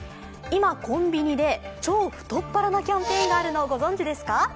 今、コンビニで超太っ腹なキャンペーンがあるのをご存じですか。